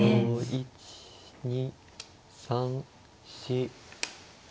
１２３４５。